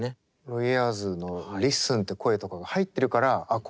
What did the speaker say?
ロイ・エアーズのリッスンって声とかが入ってるからあっ